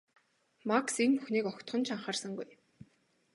Макс энэ бүхнийг огтхон ч анхаарсангүй.